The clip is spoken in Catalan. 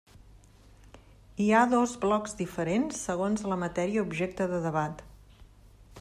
Hi ha dos blocs diferents segons la matèria objecte de debat.